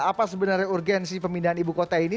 apa sebenarnya urgensi pemindahan ibu kota ini